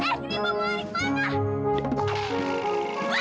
eh ini mau lari kemana